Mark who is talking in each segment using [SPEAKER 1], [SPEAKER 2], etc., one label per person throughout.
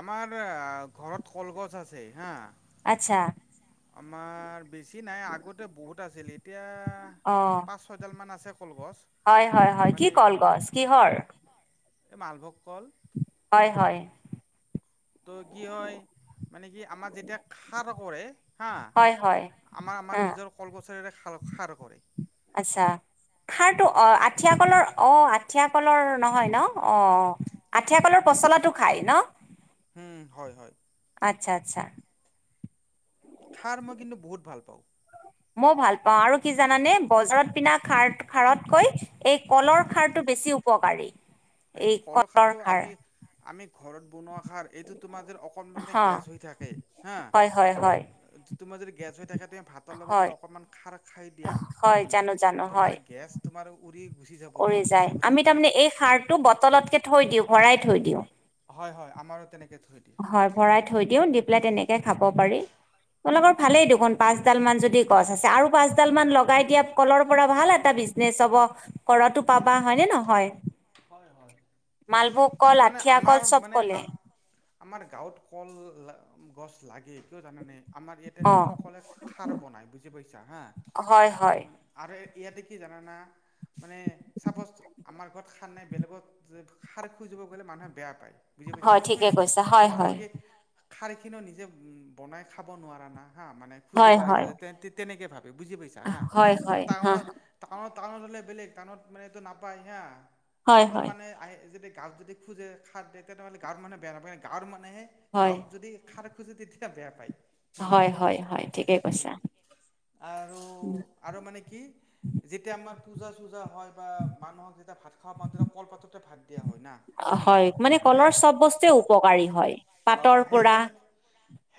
[SPEAKER 1] আমাৰ ঘৰত কলগছ আছে হাঁ?
[SPEAKER 2] আচ্ছা
[SPEAKER 1] আমাৰ বেছি নাই আগতে বহুত আছিল এতিয়া,
[SPEAKER 2] অঁ
[SPEAKER 1] পাঁচ ছয়ডালমান আছে। কলগছ
[SPEAKER 2] হয় হয় হয় কি
[SPEAKER 1] মানে
[SPEAKER 2] কলগছ কিহৰ?
[SPEAKER 1] এই মালভোগ কল।
[SPEAKER 2] হয় হয়।
[SPEAKER 1] ত' কি হয় মানে কি আমাৰ যেতিয়া খাৰ কৰে হাঁ?
[SPEAKER 2] হয় হয়
[SPEAKER 1] আমাৰ আমাৰ
[SPEAKER 2] আহ
[SPEAKER 1] নিজৰ কলগছৰেৰে খ খাৰ কৰে।
[SPEAKER 2] আচ্ছা। খাৰটো অ আঠিয়া কলৰ অ আঠিয়া কলৰ নহয় ন? অ আঠিয় কলৰ পচলাটো খাই ন?
[SPEAKER 1] উম হয় হয়।
[SPEAKER 2] আচ্ছা আচ্ছা।
[SPEAKER 1] খাৰ মই কিন্তু বহুত ভাল পাওঁ।
[SPEAKER 2] মই ভাল পাওঁ আৰু কি জানানে বজাৰত পিনা খাৰ খাৰতকৈ, এই কলৰ খাৰটো বে বেছি উপকাৰী।
[SPEAKER 1] এই
[SPEAKER 2] কলৰ
[SPEAKER 1] কলখাৰটো
[SPEAKER 2] খাৰ
[SPEAKER 1] আমি আমি ঘৰত বনোৱা এইটো তোমাৰ যদি অকণমান
[SPEAKER 2] হা
[SPEAKER 1] গেছ হৈ থাকে হা?
[SPEAKER 2] হয় হয় হয়
[SPEAKER 1] তোমাৰ যদি গেছ হৈ থাকে তেতিয়া তুমি ভাতৰ লগত
[SPEAKER 2] হয়
[SPEAKER 1] অকমান খাৰ খাই দিয়া
[SPEAKER 2] হয়
[SPEAKER 1] হ'ম,
[SPEAKER 2] জানো জানো
[SPEAKER 1] তোমাৰ
[SPEAKER 2] হয়
[SPEAKER 1] গেছ তোমাৰ উৰি গুচি যাব
[SPEAKER 2] উৰি
[SPEAKER 1] ক'ত গুচি
[SPEAKER 2] যায়
[SPEAKER 1] যাব
[SPEAKER 2] আমি
[SPEAKER 1] ঠিক নাই
[SPEAKER 2] তাৰমানে এই সাৰটো বটলতকে থৈ দিওঁ ভৰাই থৈ দিওঁ।
[SPEAKER 1] হয় হয় আমাৰো তেনেকৈ থৈ দিয়ে
[SPEAKER 2] হয় ভৰাই থৈ দিওঁ, দি পেলাই তেনেকে খাব পাৰি। তোলোকৰ ভালেই দেখোন পাচডাল মান যদি গছ আছে, আৰু পাচডাল মান লগাই দিয়া কলৰ পৰা ভাল এটা বিজনেচ হব, কৰটো পাবা হয় নে নহয়? মালভোগ কল,
[SPEAKER 1] মানে
[SPEAKER 2] আঠিয়া কল
[SPEAKER 1] আমাৰ
[SPEAKER 2] চব
[SPEAKER 1] মানে
[SPEAKER 2] কলে।
[SPEAKER 1] আমাৰ গাঁৱত কল গছ লাগে কিয় জানা নে? আমাৰ ইয়াতে
[SPEAKER 2] অ
[SPEAKER 1] সকলোৱে খাৰ বনাই বুজি পাইছা হা
[SPEAKER 2] হয় হয়
[SPEAKER 1] আৰে ইয়াতে কি জানা না মানে চাপ'জ আমাৰ ঘৰত খাৰ নাই, বেলেগত যে খাৰ খুজিব গ'লে মানুহে বেয়া পায়। বুজি পাইছা
[SPEAKER 2] হয়
[SPEAKER 1] নে
[SPEAKER 2] ঠিকে
[SPEAKER 1] হম
[SPEAKER 2] কৈছা হয়
[SPEAKER 1] কয় কয়
[SPEAKER 2] হয়
[SPEAKER 1] কি খাৰ খিনিও নিজে বনাই খাব নোৱাৰা না। হা মানে খুজিব
[SPEAKER 2] হয়
[SPEAKER 1] আহি
[SPEAKER 2] হয়
[SPEAKER 1] তেনেকে ভাবে বুজি পাইছা হা
[SPEAKER 2] হয়
[SPEAKER 1] এ
[SPEAKER 2] হয় হা
[SPEAKER 1] টাউনত টাউনত টাউন হলে বেলেগ টাউনত মানে এইটো নাপায় হা
[SPEAKER 2] হয়
[SPEAKER 1] টাউনত
[SPEAKER 2] হয়
[SPEAKER 1] মানে গাঁৱত যদি খোজে খাৰ দিয় তেনেহ'লে গাওঁৰ মানুহে বেয়া নাপায় গাঁওত মানুহ
[SPEAKER 2] হয়
[SPEAKER 1] গাঁও যদি খাৰ [unintelligible] তেতিয়া বেয়া পায়।
[SPEAKER 2] হয়
[SPEAKER 1] হুম
[SPEAKER 2] হয় হয় ঠিকে কৈছা
[SPEAKER 1] আৰু আৰু মানে কি যেতিয়া আমাৰ পূজা চূজা হয় বা মানুহক যেতিয়া ভাত খাব মাতো তেতিয়া কলপাততে ভাত দিয়া হয় না হুম
[SPEAKER 2] হয়, মানে
[SPEAKER 1] সেই
[SPEAKER 2] কলৰ চব বস্তুৱে উপকাৰী হয়। পাতৰ পৰা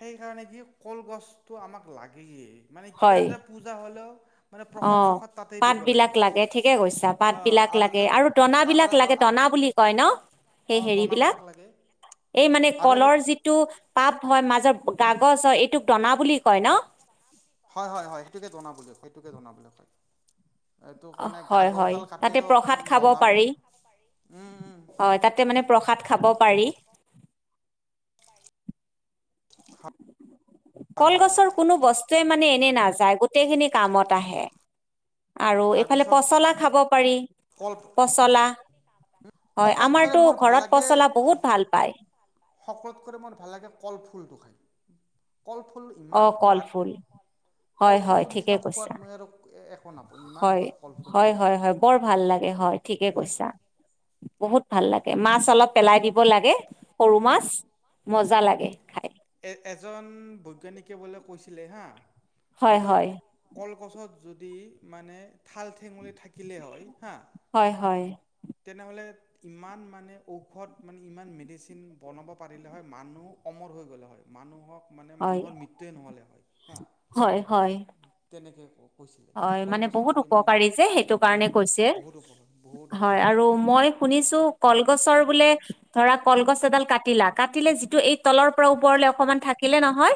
[SPEAKER 1] সেই কাৰণে কি কলগছটো আমাক লাগেই। মানে কিবা
[SPEAKER 2] হয়
[SPEAKER 1] এটা পূজা হলেও মানে প্ৰসাদ
[SPEAKER 2] অ',
[SPEAKER 1] চসাদ তাতেই
[SPEAKER 2] পাত
[SPEAKER 1] দিব
[SPEAKER 2] বিলাক
[SPEAKER 1] লাগে।
[SPEAKER 2] ঠিকে কৈছা পাত
[SPEAKER 1] অ
[SPEAKER 2] বিলাক লাগে
[SPEAKER 1] যদি
[SPEAKER 2] আৰু দনাবিলাক
[SPEAKER 1] আৰু
[SPEAKER 2] লাগে। দনা বুলি কয় ন? সেই
[SPEAKER 1] অ
[SPEAKER 2] হেৰিবিলাক
[SPEAKER 1] দনাবিলাক লাগে।
[SPEAKER 2] এই মানে
[SPEAKER 1] আৰু
[SPEAKER 2] কলৰ যিটো পাত হয় মাজৰ কাগজ, অ এইটোক দনা বুলি কয় ন?
[SPEAKER 1] হয়-হয়-হয়। সেইটোকে দনা, সেইটোকে দনা বুলি হয়।
[SPEAKER 2] হয়, হয়। তাতে প্ৰসাদ খাব
[SPEAKER 1] দনা
[SPEAKER 2] পাৰি।
[SPEAKER 1] বনে উম উম
[SPEAKER 2] হয়, তাতে মানে প্ৰসাদ খাব পাৰি।
[SPEAKER 1] হয় হয়
[SPEAKER 2] কলগছৰ কোনো বস্তুৱে মানে এনেই নাযায়। গোটেইখিনি কামত আহে। আৰু এইফালে
[SPEAKER 1] তাৰপিছত
[SPEAKER 2] পচলা খাব পাৰি।
[SPEAKER 1] কল
[SPEAKER 2] পচলা। হয়
[SPEAKER 1] সকলোতকৈ
[SPEAKER 2] আমাৰতো
[SPEAKER 1] মোৰ ভাল
[SPEAKER 2] ঘৰত
[SPEAKER 1] লাগে
[SPEAKER 2] পচলা বহুত ভাল পায়।
[SPEAKER 1] সকলোতকৈ মোৰ ভাল লাগে কলফুলটো খাই। কল ফুল ইমান
[SPEAKER 2] অ',
[SPEAKER 1] সোৱাদ
[SPEAKER 2] কলফুল হয়
[SPEAKER 1] কল
[SPEAKER 2] হয়
[SPEAKER 1] ফুলটোৰ
[SPEAKER 2] ঠিকে
[SPEAKER 1] নিচিনা
[SPEAKER 2] কৈছা
[SPEAKER 1] সোৱাদ মই আৰু একো নাপাওঁ। ইমান সোৱাদ কল ফুলটো।
[SPEAKER 2] ত হয় ঠিকে কৈছা বহুত ভাল লাগে মাছ অলপ পেলাই দিব লাগে সৰু
[SPEAKER 1] উম,
[SPEAKER 2] মাছ, মজা লাগে খাই।
[SPEAKER 1] এ এজন বৈজ্ঞানিকে বোলে কৈছিলে হা।
[SPEAKER 2] হয়
[SPEAKER 1] যদি
[SPEAKER 2] হয়
[SPEAKER 1] কল কল গছত যদি মানে ঠাল ঠেঙুলি থাকিলে হয় হা
[SPEAKER 2] হয়, হয়।
[SPEAKER 1] তেনেহ'লে ইমান মানে ঔষধ মানে ইমান মেডিচিন বনাব পাৰিলে হয়। মানুহ অমৰ হৈ গলে মানুহক মানে
[SPEAKER 2] হয়
[SPEAKER 1] মানুহৰ মৃত্যুয়ে নহল হয় হা।
[SPEAKER 2] হয় হয়
[SPEAKER 1] তেনেকে ক
[SPEAKER 2] হয়, মানে বহুত উপকাৰী যে সেইটো কাৰণে
[SPEAKER 1] বহু
[SPEAKER 2] কৈছে।
[SPEAKER 1] বহুত উপকাৰ বহুত
[SPEAKER 2] হয়
[SPEAKER 1] উপকাৰ।
[SPEAKER 2] আৰু মই শুনিছো কলগছৰ বোলে ধৰা কলগছ এডাল কাটিলা, কাটিলে যিটো এই তলৰ পৰা ওপৰলে অকমান থাকিলে নহয়।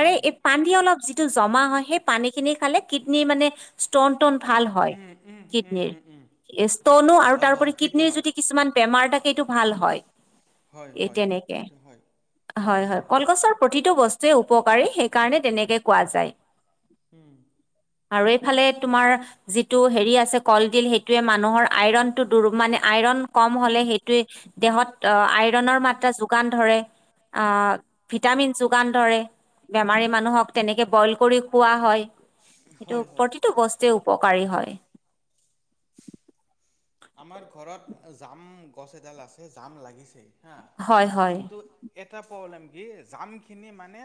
[SPEAKER 1] উম। পানী
[SPEAKER 2] পানী অলপ যিটো জমা হয় সেই পানী খিনি খালে কিডন মানে ষ্টন তন ভাল হয়
[SPEAKER 1] উম, উম, উম,
[SPEAKER 2] কিডনিৰ।
[SPEAKER 1] উম, উম,
[SPEAKER 2] ষ্টনো আৰু
[SPEAKER 1] হয়, হয়,
[SPEAKER 2] তাৰোপৰি
[SPEAKER 1] সেইটো
[SPEAKER 2] কিডনীৰ
[SPEAKER 1] হয়।
[SPEAKER 2] যদি কিছুমান বেমাৰ থাকে এইটো ভাল হয়
[SPEAKER 1] হয়,
[SPEAKER 2] এই
[SPEAKER 1] হয়।
[SPEAKER 2] তেনেকে
[SPEAKER 1] সেইটো হয়।
[SPEAKER 2] হয় হয় কলগছৰ প্ৰতিটো বস্তুৱে উপকাৰী সেইকাৰণে তেনেকে কোৱা যায়
[SPEAKER 1] যায়। উম,
[SPEAKER 2] আৰু এইফালে তোমাৰ যিটো হেৰি আছে কলডিল সেইটোৱে মানুহৰ আইৰণটো দু মানে আইৰণ কম হলে সেইটোৱেই দেহত আইৰণৰ মাত্ৰা যোগান ধৰে, ভিটামিন যোগান ধৰে। বেমাৰী মানুহক তেনেকে বইল কৰি খোৱা হয় সেইটো
[SPEAKER 1] হয়, হয়।
[SPEAKER 2] প্ৰতিটো বস্তুৱে উপকাৰী হয়
[SPEAKER 1] আমাৰ ঘৰত জাম গছ এডাল আছে, জাম লাগিছেই।
[SPEAKER 2] হয় হয়
[SPEAKER 1] এটা প্ৰব্লেম কি জামখিনি মানে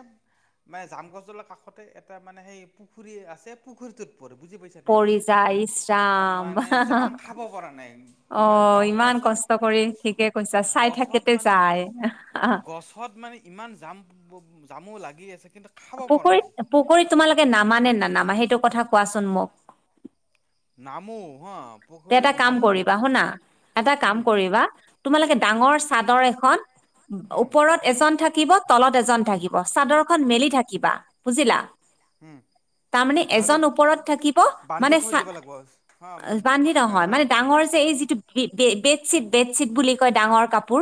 [SPEAKER 1] মানে জাম গছ ডালৰ কাষতে এটা মানে সেই পুখুৰী আছে। পুখুৰীটোত বুজি পাইছা নে?
[SPEAKER 2] পৰি যায় ইচ
[SPEAKER 1] অ মানে
[SPEAKER 2] ৰাম
[SPEAKER 1] জাম খাব পাৰা না
[SPEAKER 2] অ, ইমান কষ্ট কৰি ঠিকে কৈছা। চাই
[SPEAKER 1] গছত
[SPEAKER 2] থাকোঁতে
[SPEAKER 1] মানে
[SPEAKER 2] যায়।
[SPEAKER 1] গছত মানে ইমান জাম জামো লাগি আছে। কিন্তু খাব পৰা নাই
[SPEAKER 2] পুখুৰীত - পুখুৰীত তোমালোকে নামা নে নানামা সেইটো কথা কোৱাচোন মোক?
[SPEAKER 1] নামো হা।
[SPEAKER 2] তেতা এটা
[SPEAKER 1] পুখুৰীত
[SPEAKER 2] কাম
[SPEAKER 1] নামো
[SPEAKER 2] কৰিবা
[SPEAKER 1] এটা কাম
[SPEAKER 2] শুনা এটা কাম
[SPEAKER 1] হুম
[SPEAKER 2] কৰিবা তোমালোকে? ডাঙৰ চাদৰ এখন,
[SPEAKER 1] হুম
[SPEAKER 2] ওপৰত এজন থাক থাকিব তলত এজন থাকিব চাদৰ খন মেলি থাকিবা, বুজিলা।
[SPEAKER 1] হুম
[SPEAKER 2] তাৰমানে
[SPEAKER 1] তাতে
[SPEAKER 2] এজন ওপৰত থাকিব
[SPEAKER 1] বান্ধি
[SPEAKER 2] মানে
[SPEAKER 1] থৈ
[SPEAKER 2] চা
[SPEAKER 1] দিব লাগিব হা
[SPEAKER 2] বান্ধি
[SPEAKER 1] হয়
[SPEAKER 2] নহয় মানে
[SPEAKER 1] হয়।
[SPEAKER 2] ডাঙৰ যে এই যিটো বেডশ্বীট বেডশ্বীট বুলি কয় ডাঙৰ কাপোৰ।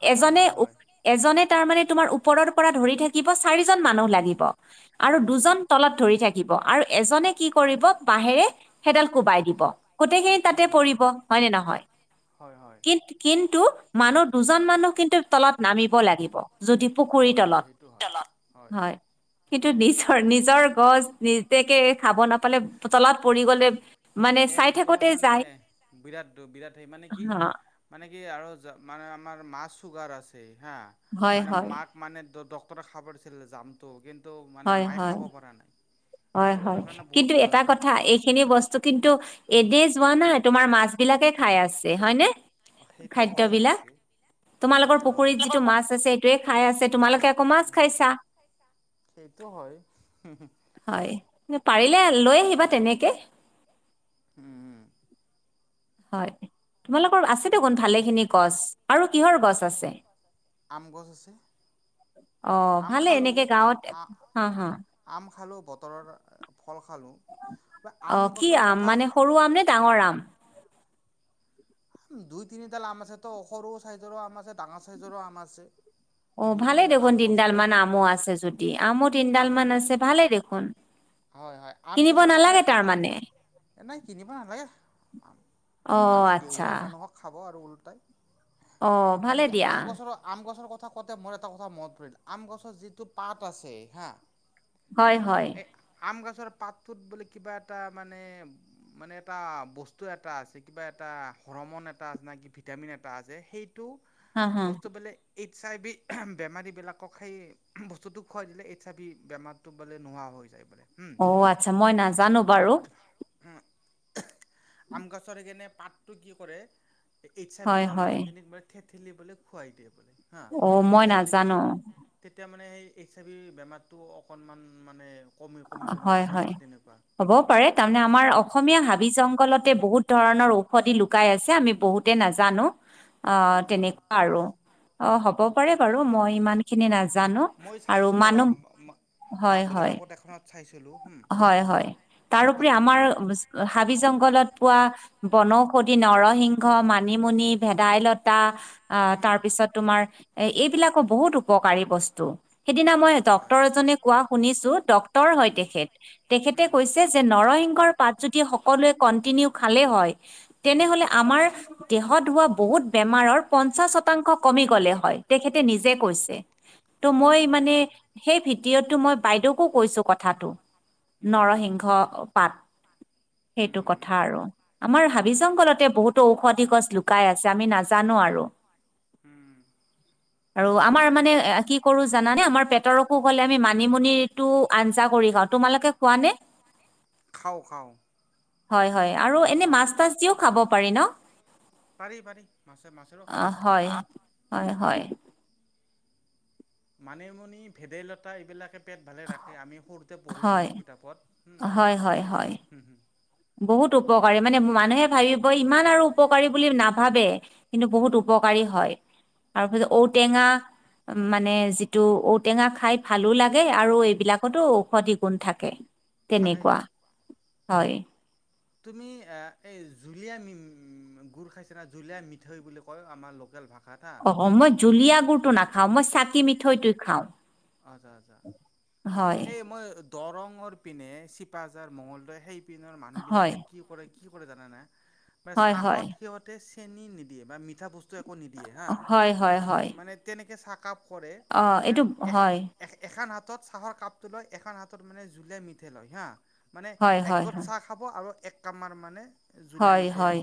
[SPEAKER 1] হয় হয়
[SPEAKER 2] এজনে
[SPEAKER 1] হয়
[SPEAKER 2] উপ
[SPEAKER 1] হয়
[SPEAKER 2] এজনে তাৰ মানে তোমাৰ ওপৰৰ পৰা ধৰি থাকিব চাৰিজন মানুহ লাগিব। আৰু
[SPEAKER 1] উম
[SPEAKER 2] দুজন তলত ধৰি থাক- দিব আৰু এজনে কি কৰিব বাঁহেৰে সেইডাল কোবাই দিব। গোটেইখিনি তাতে
[SPEAKER 1] উম।
[SPEAKER 2] পৰিব হয়নে নহয়?
[SPEAKER 1] হয় হয়
[SPEAKER 2] কিন্ত কিন্তু মানুহ দুজন মানুহ কিন্তু তলত নামিব লাগিব। জদি পুখুৰীৰ
[SPEAKER 1] হয় হয়
[SPEAKER 2] তলত
[SPEAKER 1] সেইটো হয়
[SPEAKER 2] হয়। কিন্তু নিজৰ নিজৰ গছ নিজকে খাব নাপালে তলত পৰি গ'লে মানে চাই থাক
[SPEAKER 1] একদম মানে বিৰাট দু বিৰাট সেই মানে কি
[SPEAKER 2] হা
[SPEAKER 1] মানে কি আৰ যা মান আমাৰ মাৰ চোগাৰ আছে হা!
[SPEAKER 2] হয়
[SPEAKER 1] মানে
[SPEAKER 2] হয়
[SPEAKER 1] মাক মানে ড ডক ডক্তৰে খাব দিছিলে জামটো, কিন্তু মানে
[SPEAKER 2] হয়
[SPEAKER 1] মায়ে
[SPEAKER 2] হয়
[SPEAKER 1] খাব পৰা নাই।
[SPEAKER 2] হয়
[SPEAKER 1] চুগাৰৰ
[SPEAKER 2] হয়
[SPEAKER 1] কাৰণে বহুত
[SPEAKER 2] কিন্তু এটা
[SPEAKER 1] ভালটো
[SPEAKER 2] কথা এইখিনি বস্তু। কিন্তু এদে যোৱা নাই তোমাৰ মাছ বিলাকে খাই আছে হয়নে।
[SPEAKER 1] সেইটো হয়
[SPEAKER 2] খাদ্যবিলাক
[SPEAKER 1] অৱশ্যে।
[SPEAKER 2] তোমালোকৰ
[SPEAKER 1] সেইটো হয়
[SPEAKER 2] পুখুৰীত যিটো মাছ আছে সেইটোৱে খাই আছে তোমালোকে আকৌ মাছ খাইছা।
[SPEAKER 1] সেইটো হয় হু হু।
[SPEAKER 2] লে পাৰিলে লৈ আহিবা তেনেকে।
[SPEAKER 1] হম হম।
[SPEAKER 2] হয় তোমালোকৰ আছে দেখোন ভালেখিনি গছ। আৰু কিহৰ গছ আছে?
[SPEAKER 1] আম গছ আছে।
[SPEAKER 2] অ
[SPEAKER 1] আম
[SPEAKER 2] ভালে এনেকে গাঁৱত
[SPEAKER 1] খালোঁ
[SPEAKER 2] হা হা।
[SPEAKER 1] আম খালোঁ বতৰৰ ফল খালোঁ বা
[SPEAKER 2] অ
[SPEAKER 1] আম
[SPEAKER 2] কি
[SPEAKER 1] গছৰ
[SPEAKER 2] আম
[SPEAKER 1] কথা
[SPEAKER 2] মানে সৰু আম নে ডাঙৰ আম?
[SPEAKER 1] আম দুই তিনিডাল আম আছে তো সৰু চাইজৰো আম আছে ডাঙৰ চাইজৰো আম আছে।
[SPEAKER 2] অ
[SPEAKER 1] দুই
[SPEAKER 2] ভালে দেখোন
[SPEAKER 1] আম
[SPEAKER 2] তিনিডাল
[SPEAKER 1] গছটো
[SPEAKER 2] মান আমো আছে যদি। আমো তিনডাল
[SPEAKER 1] আম
[SPEAKER 2] মান আছে ভালে দেখোন।
[SPEAKER 1] হয় হয় আম
[SPEAKER 2] কিনিব
[SPEAKER 1] গছৰ কথা
[SPEAKER 2] নালাগে
[SPEAKER 1] এটা
[SPEAKER 2] তাৰমানে
[SPEAKER 1] এ নাই কিনিব নালাগে,
[SPEAKER 2] অ'
[SPEAKER 1] আমি
[SPEAKER 2] আচ্ছা
[SPEAKER 1] দেউহে মানুহক খাব আৰু উল তই
[SPEAKER 2] অ'
[SPEAKER 1] মানে
[SPEAKER 2] ভালে
[SPEAKER 1] কি
[SPEAKER 2] দিয়া
[SPEAKER 1] আম গছৰ আম গছৰ ক কথা কওঁতে মোৰ এটা কথা মনত পৰিল, আম গছৰ যিটো পাত আছে হা
[SPEAKER 2] হয় হয়।
[SPEAKER 1] এই আম গছৰ পাতটোত বুলি কিবা এটা মানে মানে এটা বস্তু এটা আছে কিবা এটা। টা হৰমন এটা আছে নেকি ভিটামিন এটা আছে সেইটো
[SPEAKER 2] হা হা
[SPEAKER 1] বস্তু বোলে। এইটছ আই চি এহ বেমাৰীবিলাকক সেই উহু বস্তুটো খুৱাই দিলে এইচছ আই ভি বেমাৰটো বোলে নোহোৱা হৈ যায়। বোলে হুম
[SPEAKER 2] অ আচ্ছা মই নাজানো বাৰু।
[SPEAKER 1] হ আম গছৰ সেই কেনে পাতটো কি কৰে এ এই্ছ আ ভি
[SPEAKER 2] হয়
[SPEAKER 1] হোৱা
[SPEAKER 2] হয়
[SPEAKER 1] মানুহ খিনিক মানে থেঠেলি বোলে খুৱাই দিয়ে বোলে। হা
[SPEAKER 2] অ' মই
[SPEAKER 1] তেতিয়া হ'লে কি
[SPEAKER 2] নাজানো
[SPEAKER 1] তেতিয়া মানে মানে সেই এইচ আই ভিৰ বেমাৰটো অকণমান মানে কমি কমি কমি
[SPEAKER 2] হয়
[SPEAKER 1] থাকে
[SPEAKER 2] হয়
[SPEAKER 1] তেনেকুৱা
[SPEAKER 2] হ'বও পাৰে তাৰমানে আমাৰ অসমীয়া হাবি জংঘলত বহুত ধৰণৰ ঔষধি লুকাই আছে, আমি বহুতে নাজানো
[SPEAKER 1] অ',
[SPEAKER 2] আহ তেনেকুৱা আৰু। অ হ'ব পাৰে বাৰু মই ইমানখিনি নাজা জানো
[SPEAKER 1] মই
[SPEAKER 2] আৰু
[SPEAKER 1] চাইছিলোঁ
[SPEAKER 2] মানুহ হয়
[SPEAKER 1] বাতৰি
[SPEAKER 2] হয়।
[SPEAKER 1] কাকত এখনত চাইছিলোঁ হুম
[SPEAKER 2] হয় হয়
[SPEAKER 1] আম
[SPEAKER 2] তাৰওপৰি আমাৰ হাবি জংঘলত পোৱা বনঔষধি, নৰসিংহ, মানিমুনি, ভেদাইলতা আহ
[SPEAKER 1] হুম
[SPEAKER 2] তাৰপিছত তোমাৰ এ এইবিলাকো বহুত উপকাৰী বস্তু। সেইদিনা মই ডক্তৰ এজনে কোৱা শুনিছোঁ, ডক্তৰৰ সৈতে তেখেত। তেখেতে কৈছে যে নৰসিংহৰ পাত যদি সকলোৱে কন্টিনিউ খালে হয়। তেনেহলে আমাৰ দেহত হোৱা বহুত বেমাৰৰ পঞ্চাশ শতাংশ কমি গ'লে হয় তেখেতে নিজে কৈছে। ত' মই
[SPEAKER 1] হয় হয়
[SPEAKER 2] মানে সেই ভিদিঅটো মই বাইদেউকো কৈছো কথাটো।
[SPEAKER 1] উম,
[SPEAKER 2] নৰসিংহ পাত
[SPEAKER 1] হম,
[SPEAKER 2] সেইটো
[SPEAKER 1] হম, হম,
[SPEAKER 2] কথা আৰু। আমাৰ হাব হাবি জংঘলতে বহুতো ঔষধি গছ লুকাই আছে আমি নাজানো আৰু।
[SPEAKER 1] হম।
[SPEAKER 2] আৰু আমাৰ
[SPEAKER 1] হয়
[SPEAKER 2] মানে
[SPEAKER 1] দিয়া।
[SPEAKER 2] কি কৰো জানানে আমাৰ পেটৰ অসুহ গ হলে আমি মানিমুনিতু আঞ্জা কৰি খাওঁ। তোমালোকে খোৱা নে?
[SPEAKER 1] খাওঁ খাওঁ।
[SPEAKER 2] হয় হয় আৰু এনে
[SPEAKER 1] খাওঁ।
[SPEAKER 2] মাছ তাছ দিও খাব পাৰি ন?
[SPEAKER 1] পাৰি পাৰি মাছে মাছেৰে
[SPEAKER 2] অ
[SPEAKER 1] খাব
[SPEAKER 2] হয়
[SPEAKER 1] পাৰি।
[SPEAKER 2] হয় হয়
[SPEAKER 1] মানিমুনি, ভেদাইলতা এইবিলাকে পেট ভালে ৰাখে। আমি সৰুতে
[SPEAKER 2] হয়
[SPEAKER 1] পঢ়িছিলো কিতাপত হম
[SPEAKER 2] হয় হয় হয়
[SPEAKER 1] হ হ।
[SPEAKER 2] বহুত উপকাৰী, মানে মানুহে ভাবিব ইমান আৰু উপকাৰী বুলি নাভাবে, কিন্তু বহুত উপ- উপকাৰী হয়। তাৰপাছত ঔটেঙা মানে যিটো ঔটেঙা খাই ভালো লাগে আৰু এইবিলাকতো ঔষধি গুণ থাকে।
[SPEAKER 1] থাকে
[SPEAKER 2] তেনেকুৱা হয়।
[SPEAKER 1] তুমি এ এই জুলীয়া গুুৰ খাইছ না জুলীয়া মিঠৈ বুলি কয় আমাৰ লোকেল ভাষা -
[SPEAKER 2] অ মই জুলীয়া গুড়টো নাখাও, মই চাকি মিঠৈটো খাওঁ।
[SPEAKER 1] আ আ
[SPEAKER 2] হয়,
[SPEAKER 1] এই মই [unintelligible] দৰঙৰ পিনে চিপাঝাৰ মঙলদৈ সেই পিনৰ
[SPEAKER 2] হয়,
[SPEAKER 1] মানুহবিলাকে কি কৰে কি কৰে জানেনা? বা
[SPEAKER 2] হয়, হয়,
[SPEAKER 1] চাহত সিহঁতে চেনি নিদিয়ে বা মিঠা বস্তু, একো নিদিয়ে হা
[SPEAKER 2] হয়, হয়, হয়।
[SPEAKER 1] মানে তেনেকে চাকাপ কৰে
[SPEAKER 2] অ' এইটো
[SPEAKER 1] মানে। এ
[SPEAKER 2] হয়,
[SPEAKER 1] এ এখন হাতত চাহৰ কাপটো লয় এখন হাতত মানে জোলিয়া মিঠাই লয় হা মানে
[SPEAKER 2] হয়, হয়, হয়।
[SPEAKER 1] একগোট চাহ খাব আৰু এক কামাৰ মানে জুলীয়া
[SPEAKER 2] হয়
[SPEAKER 1] মিঠৈ
[SPEAKER 2] হয়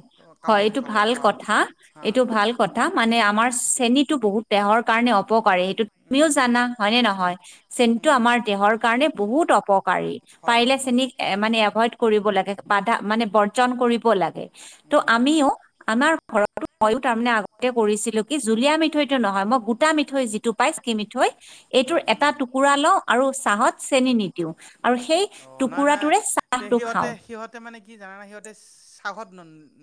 [SPEAKER 2] হয়
[SPEAKER 1] কামুৰি
[SPEAKER 2] এইটো
[SPEAKER 1] খাব
[SPEAKER 2] ভাল
[SPEAKER 1] বা
[SPEAKER 2] কথা,
[SPEAKER 1] হা
[SPEAKER 2] এইটো ভাল কথা মানে আমাৰ চেনিত এইটো বহুত দেহৰ কাৰণে অপকাৰী। তুমিও
[SPEAKER 1] উম হম
[SPEAKER 2] জানা হয় নে নহয় চেনিটো
[SPEAKER 1] উম
[SPEAKER 2] আমাৰ দেহৰ কাৰণে বহুত অপকাৰী।
[SPEAKER 1] হয়
[SPEAKER 2] পাৰিলে
[SPEAKER 1] হয় হয়
[SPEAKER 2] চেনি মানে এভইড কৰিব লাগে বাধা মানে বৰ্জন কৰিব লাগে। ত'
[SPEAKER 1] উম
[SPEAKER 2] আমিও আমাৰ ঘৰতো মইয়ো তাৰ মানে আগতে কৰিছিলো, কি জুলীয়া মিঠৈটো নহয় মই গোটা মিঠৈ যিটো পাই স্কি মিঠৈ,
[SPEAKER 1] উম
[SPEAKER 2] এইটোৰ
[SPEAKER 1] উম
[SPEAKER 2] এটা টুকুৰা লও আৰু চাহত চেনি নিদিওঁ আৰু সেই
[SPEAKER 1] অ' নাই নাই
[SPEAKER 2] টুকুৰাটোৰে
[SPEAKER 1] তে
[SPEAKER 2] চাহটো
[SPEAKER 1] সিহঁতে
[SPEAKER 2] খাওঁ।
[SPEAKER 1] সিহঁতে মানে কি জানানে সিহঁতে চাহত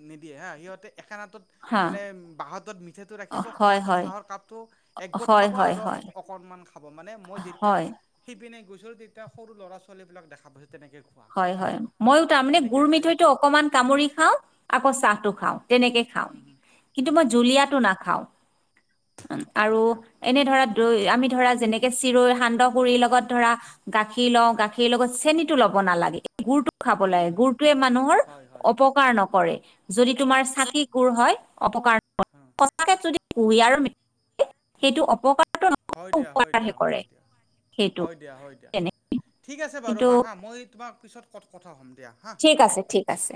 [SPEAKER 1] নিদিয়ে, হা সিহঁতে এখন হাতত
[SPEAKER 2] হা
[SPEAKER 1] মানে বাঁহাতত মিঠাটো ৰাখিব, সো
[SPEAKER 2] হয়
[SPEAKER 1] হাতত
[SPEAKER 2] হয়
[SPEAKER 1] চাহৰ কাপটো একগোট
[SPEAKER 2] হয়
[SPEAKER 1] খাব
[SPEAKER 2] হয়
[SPEAKER 1] আৰু। অ
[SPEAKER 2] হয়
[SPEAKER 1] অকণমান খাব মানে মই যেতিয়া
[SPEAKER 2] হয়
[SPEAKER 1] সিপিনে গৈছোঁ তেতিয়া সৰু ল'ৰা ছোৱালীবিলাক দেখা পাইছো।
[SPEAKER 2] হয় হয় মইয়ো তাৰমানে গুড়
[SPEAKER 1] খায়।
[SPEAKER 2] মিঠৈটো অকমান কামুৰি খাও, আকৌ চাহটো খাওঁ। তেনেকে খাওঁ।
[SPEAKER 1] উম হুম
[SPEAKER 2] কিন্তু
[SPEAKER 1] উম
[SPEAKER 2] মই
[SPEAKER 1] হুম
[SPEAKER 2] জুলীয়াটো নাখাওঁ।
[SPEAKER 1] হয়
[SPEAKER 2] আৰু
[SPEAKER 1] দিয়া
[SPEAKER 2] এনে ধৰা আমি ধৰা যেনেকে, চিৰৈ সান্দহ গুৰিৰ লগত ধৰা গাখীৰ লওঁ গাখীৰ লগত চেনিতো ল'ব নালাগে। গুৰটো খাব
[SPEAKER 1] উম
[SPEAKER 2] লাগে,
[SPEAKER 1] হুম হুম
[SPEAKER 2] গুৰটোৱে মানুহৰ
[SPEAKER 1] হয় হয়
[SPEAKER 2] অপকাৰ নকৰে। যদি তোমাৰ চাকি গু়ৰ হয়। অপকাৰ কয়
[SPEAKER 1] উম
[SPEAKER 2] সচাকে যদি কুহিয়াৰ [unintelligible] সেইটো অপকাৰ
[SPEAKER 1] হয় দিয়া হয় দিয়া হয় দিয়া।
[SPEAKER 2] সেইটো
[SPEAKER 1] হয় দিয়া হয় দিয়া
[SPEAKER 2] তেনে
[SPEAKER 1] ঠিক আছে বাৰু
[SPEAKER 2] কিন্তু
[SPEAKER 1] বা মই তোমাৰ পিছত কথা কম।
[SPEAKER 2] ঠিক আছে ঠিক আছে।